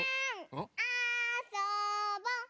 あそぼ！